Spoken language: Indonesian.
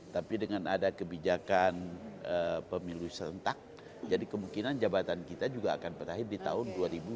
tapi dengan ada kebijakan pemilu serentak jadi kemungkinan jabatan kita juga akan berakhir di tahun dua ribu dua puluh